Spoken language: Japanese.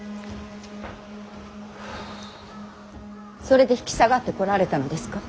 それで引き下がってこられたのですか。